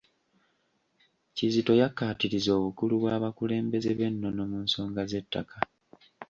Kizito yakkaatirizza obukulu bw'abakulembeze b’ennono mu nsonga z’ettaka.